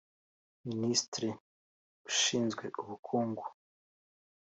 Minisitiri ushinzwe Ubukungu